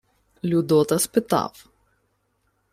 Людота спитав: